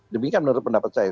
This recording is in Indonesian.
demikian menurut pendapat saya